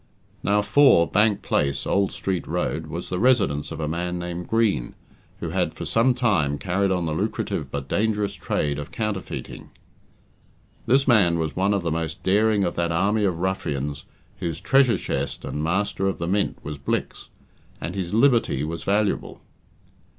Now, 4, Bank place, Old Street Road, was the residence of a man named Green, who had for some time carried on the lucrative but dangerous trade of "counterfeiting". This man was one of the most daring of that army of ruffians whose treasure chest and master of the mint was Blicks, and his liberty was valuable.